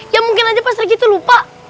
ya mungkin aja pas trik itu lupa